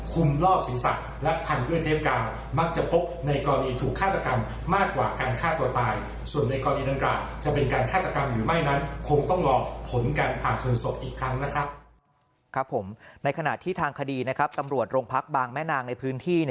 ขณะที่ทางคดีนะครับตำรวจโรงพักบางแม่นางในพื้นที่